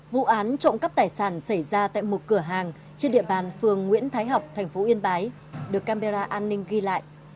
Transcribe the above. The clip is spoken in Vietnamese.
vụ án trộm cắp tài sản xảy ra tại một cửa hàng trên địa bàn phường nguyễn thái học tp yên bái được camera an ninh ghi lại